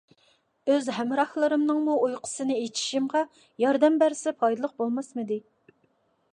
ئۆز ھەمراھلىرىمنىڭمۇ ئۇيقۇسىنى ئېچىشىمغا ياردەم بەرسە پايدىلىق بولماسمىدى؟